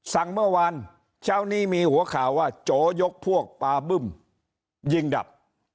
เมื่อวานเช้านี้มีหัวข่าวว่าโจยกพวกปาบึ้มยิงดับ